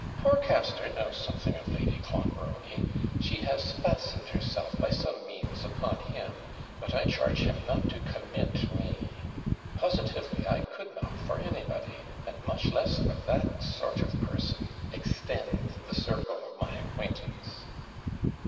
Torcaster knows something of Lady Clonbrony; she has fastened herself, by some means, upon him: but I charge him not to COMMIT me. Positively, I could not for anybody and much less for that sort of person extend the circle of my acquaintance.'